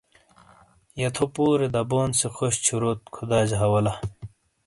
یہ تھو پُورے دابون سے خوش چھُوروت ۔خداجہ حوالہ ۔